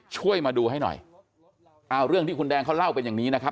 ช่วยมาดูให้หน่อยเอาเรื่องที่คุณแดงเขาเล่าเป็นอย่างนี้นะครับ